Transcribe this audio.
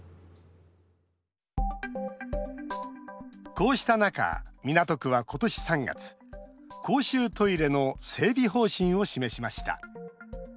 こうした中、港区は今年３月、公衆トイレの整備方針を示しました。